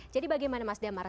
jadi bagaimana mas damar